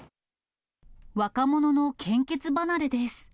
若者の献血離れです。